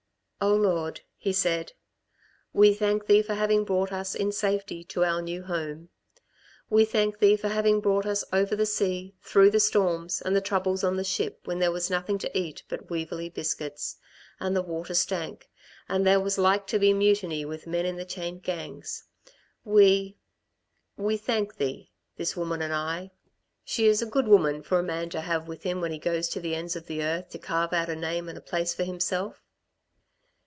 "O Lord," he said, "we thank Thee for having brought us in safety to our new home. We thank Thee for having brought us over the sea, through the storms and the troubles on the ship when there was nothing to eat but weevily biscuits, and the water stank, and there was like to be mutiny with the men in the chained gangs. We we thank Thee, this woman and I. She is a good woman for a man to have with him when he goes to the ends of the earth to carve out a name and a place for himself."